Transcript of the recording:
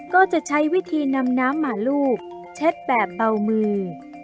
ก็จะใช้วิธีนำน้ำมาลูบเช็ดแบบเบามือ